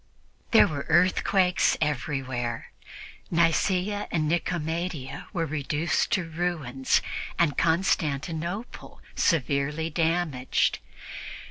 There were earthquakes everywhere; Nicea and Nicomedia were reduced to ruins and Constantinople severely damaged.